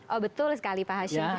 oh betul sekali pak hashim